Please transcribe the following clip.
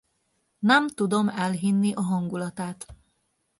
Nem tudom elhinni a hangulatát.